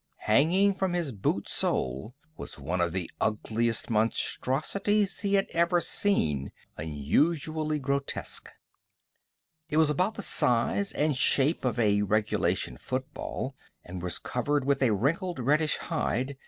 Hanging from his boot sole was one of the ugliest monstrosities he had ever seen, unusually grotesque. It was about the size and shape of a regulation football, and was covered with a wrinkled, reddish hide.